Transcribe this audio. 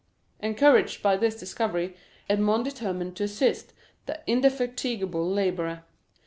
Encouraged by this discovery, Edmond determined to assist the indefatigable laborer.